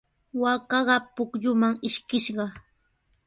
Waakaqa pukyuman ishkishqa.